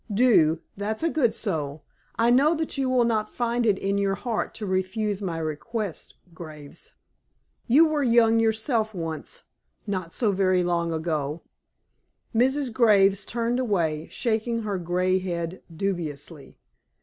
Do, that's a good soul. I know that you will not find it in your heart to refuse my request, Graves. You were young yourself once not so very long ago." Mrs. Graves turned away, shaking her gray head dubiously.